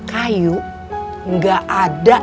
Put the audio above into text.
kayu gak ada